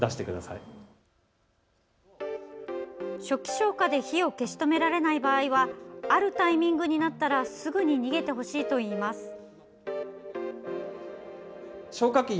初期消火で火を消し止められない場合はあるタイミングになったらすぐに逃げてほしいといいます。